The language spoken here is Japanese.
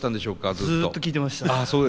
ずっと聴いてました。